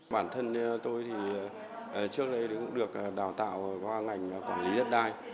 bản thân tôi thì trước đây cũng được đào tạo qua ngành quản lý đất đai